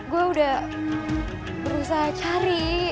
gue udah berusaha cari